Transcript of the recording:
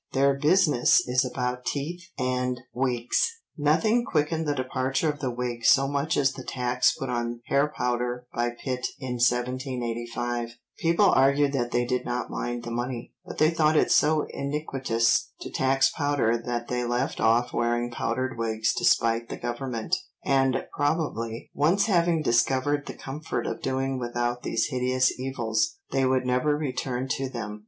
Their business is about teeth and wigs." Nothing quickened the departure of the wig so much as the tax put on hair powder by Pitt in 1785; people argued that they did not mind the money, but they thought it so iniquitous to tax powder that they left off wearing powdered wigs to spite the Government, and probably, once having discovered the comfort of doing without these hideous evils, they would never return to them.